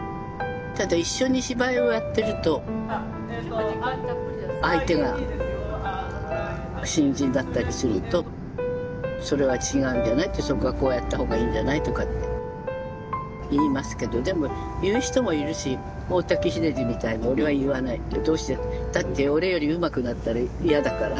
ただ一緒に芝居をやってると相手が新人だったりするとそれは違うんじゃないってそこはこうやったほうがいいんじゃないとかって言いますけどでも言う人もいるし大滝秀治みたいに「俺は言わない」って「どうして？」って「だって俺よりうまくなったら嫌だから」